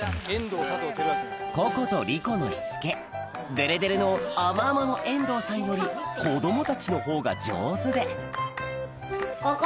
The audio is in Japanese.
ココとリコのしつけデレデレの甘々の遠藤さんより子供たちのほうが上手でココ。